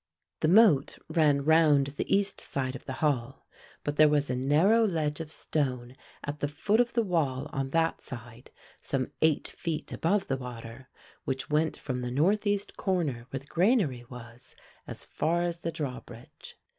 The moat ran round the east side of the Hall, but there was a narrow ledge of stone at the foot of the wall on that side, some eight feet above the water, which went from the northeast corner where the granary was, as far as the drawbridge.